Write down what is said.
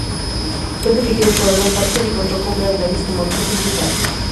Fue dirigida por Alan Parker y contó con Brad Davis como actor principal.